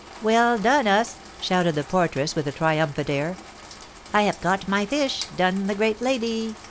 "Well done us!" shouted the porteress, with a triumphant air; "I have caught my fish, done the great lady!